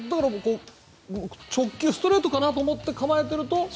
直球ストレートかなと思って構えていると。